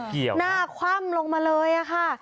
หน้าคว่ำลงมาเลยค่ะ